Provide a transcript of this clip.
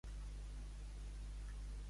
Pertany al moviment independentista el Clément?